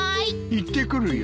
行ってくるよ。